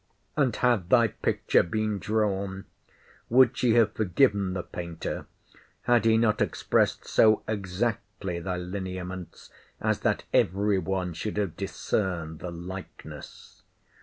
And had thy picture been drawn, would she have forgiven the painter, had he not expressed so exactly thy lineaments, as that every one should have discerned the likeness?